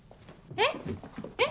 えっえっ。